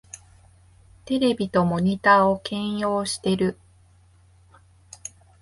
テレビとモニタを兼用してる